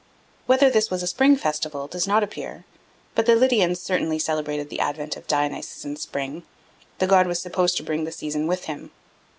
Whether this was a spring festival does not appear, but the Lydians certainly celebrated the advent of Dionysus in spring; the god was supposed to bring the season with him.